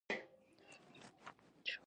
فلم باید د ذهن او زړه ترمنځ پل جوړ کړي